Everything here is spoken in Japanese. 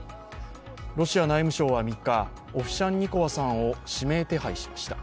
ロシア内務省は３日オフシャンニコワさんを指名手配しました。